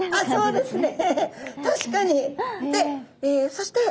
そうですね。